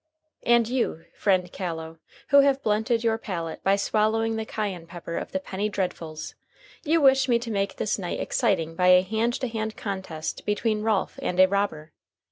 And you, friend Callow, who have blunted your palate by swallowing the Cayenne pepper of the penny dreadfuls, you wish me to make this night exciting by a hand to hand contest between Ralph and a robber.